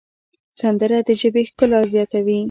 سندره د ژبې ښکلا زیاتوي